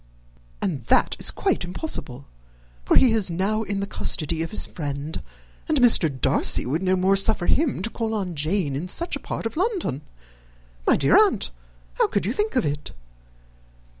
"And that is quite impossible; for he is now in the custody of his friend, and Mr. Darcy would no more suffer him to call on Jane in such a part of London! My dear aunt, how could you think of it?